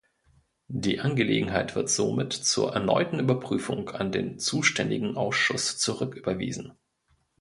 Die Angelegenheit wird somit zur erneuten Überprüfung an den zuständigen Ausschuss zurücküberwiesen.